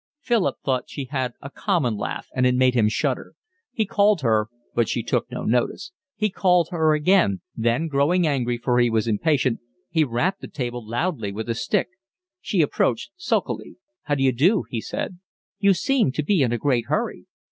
Philip thought she had a common laugh, and it made him shudder. He called her, but she took no notice; he called her again; then, growing angry, for he was impatient, he rapped the table loudly with his stick. She approached sulkily. "How d'you do?" he said. "You seem to be in a great hurry."